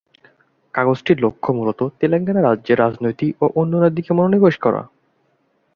কাগজটির লক্ষ্য ছিল মূলত তেলেঙ্গানা রাজ্যের রাজনীতি এবং উন্নয়নের দিকে মনোনিবেশ করা।